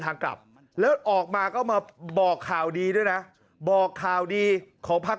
ทางกลับแล้วออกมาก็มาบอกข่าวดีด้วยนะบอกข่าวดีของพัก